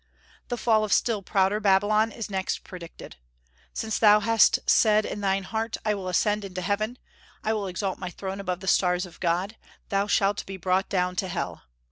The fall of still prouder Babylon is next predicted. "Since thou hast said in thine heart, I will ascend into heaven, I will exalt my throne above the stars of God, thou shalt be brought down to hell....